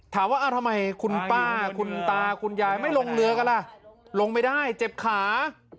ถามว่าทำไมคุณป้าคุณตาคุณยายไม่ลงเรือกันล่ะลงไม่ได้เจ็บขา